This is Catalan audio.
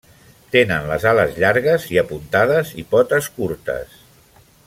Tenen les ales llargues i apuntades i potes curtes.